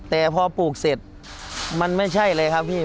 แต่พอปลูกเสร็จมันไม่ใช่เลยครับพี่